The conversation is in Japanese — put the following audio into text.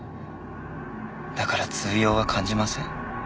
だから痛痒は感じません。